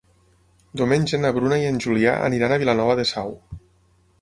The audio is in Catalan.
Diumenge na Bruna i en Julià aniran a Vilanova de Sau.